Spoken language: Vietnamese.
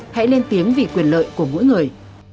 hãy lên tiếng vì quyền lợi của mỗi người